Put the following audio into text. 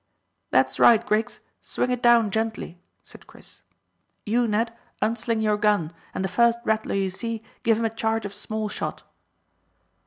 "That's right, Griggs, swing it down gently," said Chris. "You, Ned, unsling your gun, and the first rattler you see give him a charge of small shot."